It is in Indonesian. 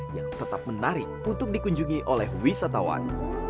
yang tetap menarik untuk dikunjungi oleh wisatawan